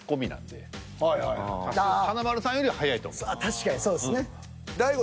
確かにそうですね。